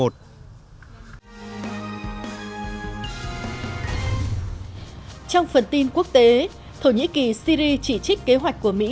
trong phần tin quốc tế thổ nhĩ kỳ syri chỉ trích kế hoạch của mỹ